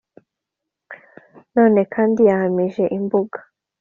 none kandi yahamije imbuga